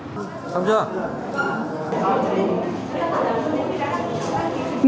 nhờ năng lên dịch vụ công